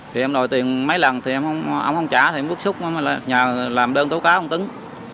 thì em đòi tiền mấy lần thì ông không trả thì em bước xúc mà làm đơn tố cá ông tứng